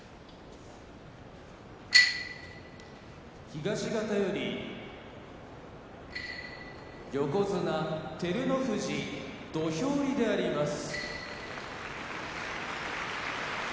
東方より横綱照ノ富士土俵入りであります。